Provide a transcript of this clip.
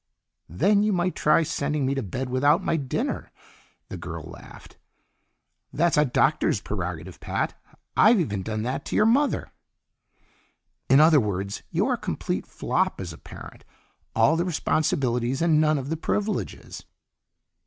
"Then you might try sending me to bed without my dinner," the girl laughed. "That's a doctor's prerogative, Pat. I've even done that to your Mother." "In other words, you're a complete flop as a parent. All the responsibilities, and none of the privileges."